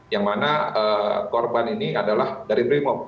yang mana korban ini adalah dari brimob